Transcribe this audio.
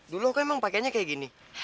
dulu kan emang pakainya kayak gini